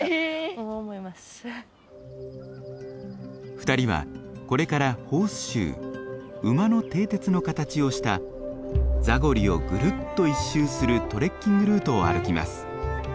２人はこれからホースシュー馬の蹄鉄の形をしたザゴリをぐるっと一周するトレッキングルートを歩きます。